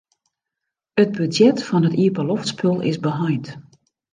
It budzjet fan it iepenloftspul is beheind.